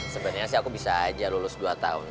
sebenarnya sih aku bisa aja lulus dua tahun